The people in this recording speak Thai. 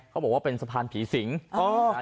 เขาบอกว่าเป็นสะพานผีสิง